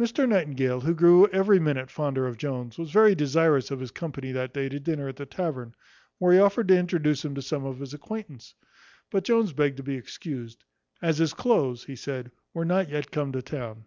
Mr Nightingale, who grew every minute fonder of Jones, was very desirous of his company that day to dinner at the tavern, where he offered to introduce him to some of his acquaintance; but Jones begged to be excused, "as his cloaths," he said, "were not yet come to town."